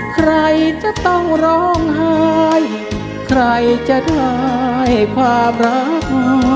ใครจะต้องร้องไห้ใครจะได้ความรัก